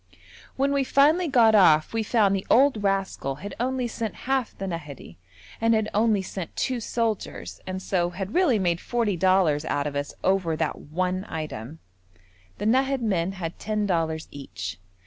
When we finally got off we found the old rascal had only sent half the Nahadi and had only sent two soldiers, and so had really made forty dollars out of us over that one item. The Nahad men had ten dollars each.